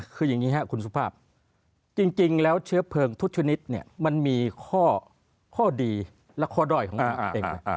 คืออย่างนี้ครับคุณสุภาพจริงแล้วเชื้อเพลิงทุกชนิดเนี่ยมันมีข้อดีและข้อด้อยของตัวเอง